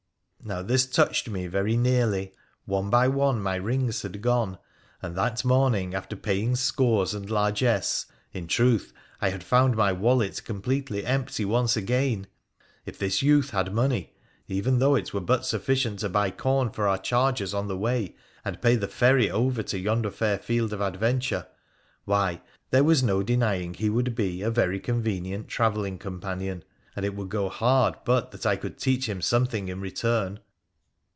Now, this touched me very nearly. One by one my rings had gone, and that morning, after paying scores and largess, in truth I had found my wallet completely empty once again ! If this youth had money, even though it were but sufficient to buy corn for our chargers on the way, and pay the ferry over to yonder fair field of adventure, why, there was no denying he would be a very convenient travelling companion, and it would go hard but that I could teach him something in return.